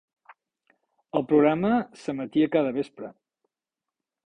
El programa s'emetia cada vespre.